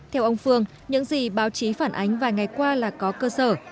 theo ông phương những gì báo chí phản ánh vài ngày qua là có cơ sở